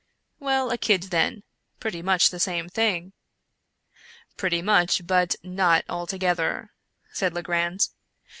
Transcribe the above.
" Well, a kid then — pretty much the same thing." " Pretty much, but not altogether," said Legrand.